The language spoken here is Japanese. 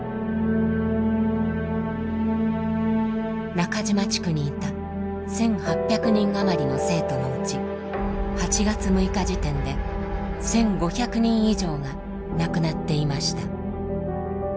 中島地区にいた１，８００人余りの生徒のうち８月６日時点で１，５００人以上が亡くなっていました。